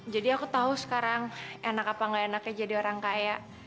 jadi aku tau sekarang enak apa gak enaknya jadi orang kaya